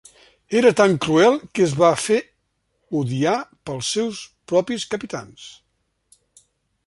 Era tan cruel que es va fer odiar dels seus propis capitans.